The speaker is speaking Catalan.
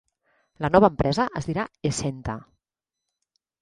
La nova empresa es dirà Essenta.